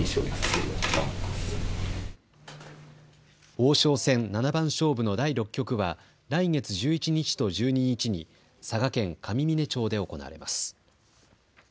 王将戦七番勝負の第６局は来月１１日と１２日に佐賀県上峰町で行われます。